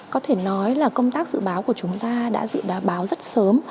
có thể nói là công tác dự báo của chúng ta đã dự báo rất sớm